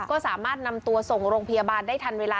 ก็สามารถนำตัวส่งโรงพยาบาลได้ทันเวลา